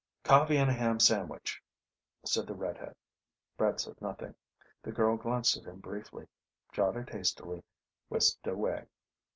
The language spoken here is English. "Coffee and a ham sandwich," said the red head. Brett said nothing. The girl glanced at him briefly, jotted hastily, whisked away.